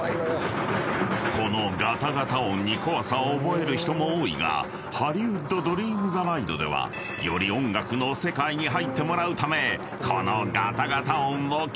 ［このガタガタ音に怖さを覚える人も多いがハリウッド・ドリーム・ザ・ライドではより音楽の世界に入ってもらうためこの］